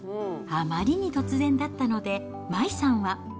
あまりに突然だったので、麻衣さんは。